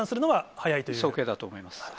早計だと思います。